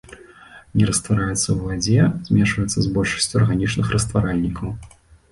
Не раствараецца ў вадзе, змешваецца з большасцю арганічных растваральнікаў.